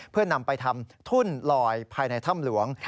เพื่อนำไปทำทุ่นลอยภายในถ้ำหลวง